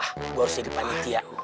gue harus jadi panitia